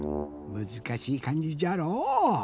むずかしい「かんじ」じゃろう。